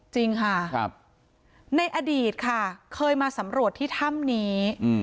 จริงค่ะในอดีตค่ะเคยมาสำรวจที่ถ้ำนี้